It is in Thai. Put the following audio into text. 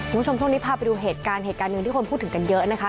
ผู้ชมช่วงนี้พาไปดูเหตุการณ์ที่คนพูดถึงกันเยอะนะคะ